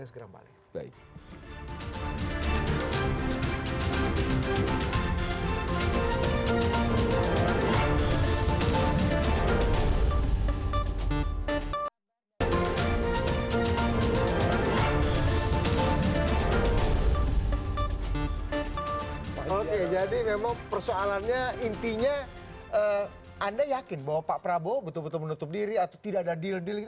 oke jadi memang persoalannya intinya anda yakin bahwa pak prabowo betul betul menutup diri atau tidak ada deal deal